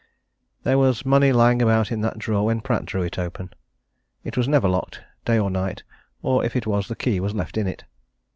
There was money lying about in that drawer when Pratt drew it open; it was never locked, day or night, or, if it was, the key was left in it.